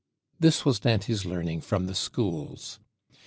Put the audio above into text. This was Dante's learning from the schools.